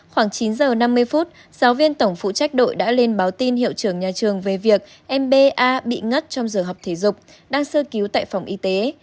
khoảng chín giờ năm mươi phút giáo viên tổng phụ trách đội đã lên báo tin hiệu trưởng nhà trường về việc m ba bị ngất trong giờ học thể dục đang sơ cứu tại phòng y tế